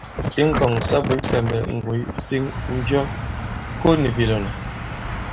I ŋ̀kɔ̀ŋ sa bwě kɛmbɛ, ŋgòy, siŋ, mbyɔ, ko nì bìlɔ̀lɔ̀.